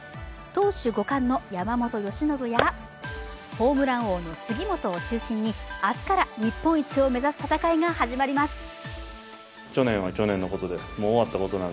投手５冠の山本由伸やホームラン王の杉本を中心に明日から日本一を目指す戦いが始まります。